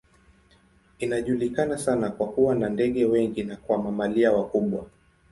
Inajulikana sana kwa kuwa na ndege wengi na kwa mamalia wakubwa.